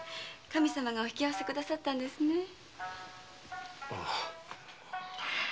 神様がお引き合わせくださったんですね。